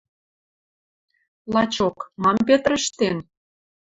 Лачок, мам Петр ӹштен?